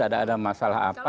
ada masalah apa